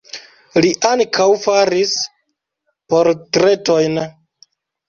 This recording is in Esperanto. Li ankaŭ faris portretojn.